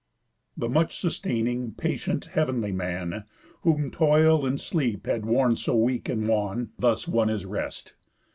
The much sustaining, patient, heav'nly man, Whom Toil and Sleep had worn so weak and wan, Thus won his rest.